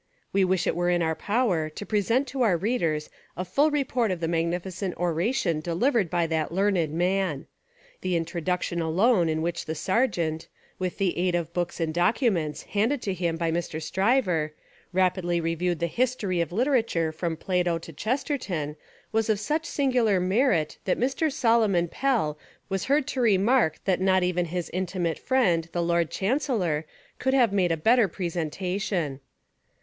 We wish it were within our power to present to our readers a full report of the magnificent oration deliv ered by that learned man. The introduction alone in which the Sergeant, with the aid of books and documents, handed to him by Mr. Stryver, rapidly reviewed the history of litera ture from Plato to Chesterton, was of such singular merit that Mr. Solomon Pell was heard to remark that not even his intimate friend the Lord Chancellor could have made a better presentation.